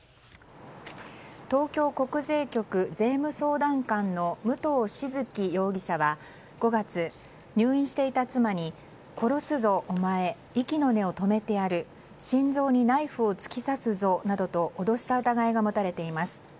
東京国税局税務相談官の武藤静城容疑者は５月入院していた妻に殺すぞお前、息の根を止めてやる心臓にナイフを突き刺すぞなどと脅した疑いが持たれています。